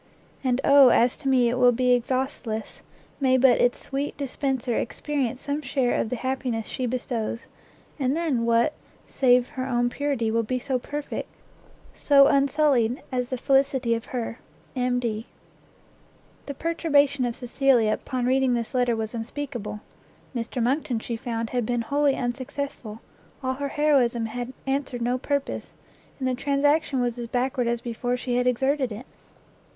And oh as to me it will be exhaustless, may but its sweet dispenser experience some share of the happiness she bestows, and then what, save her own purity, will be so perfect, so unsullied, as the felicity of her! M.D. The perturbation of Cecilia upon reading this letter was unspeakable; Mr Monckton, she found, had been wholly unsuccessful, all her heroism had answered no purpose, and the transaction was as backward as before she had exerted it.